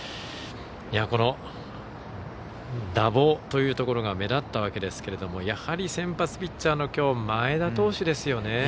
この打棒というところが目立ったわけですけれどもやはり先発ピッチャーの前田投手ですよね。